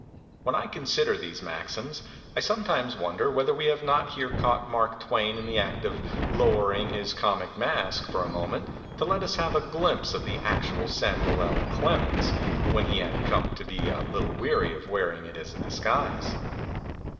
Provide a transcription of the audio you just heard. When I consider these maxims, I sometimes wonder whether we have not here caught Mark Twain in the act of lowering his comic mask for a moment to let us have a glimpse of the actual Samuel L. Clemens when he had come to be a little weary of wearing it as a disguise.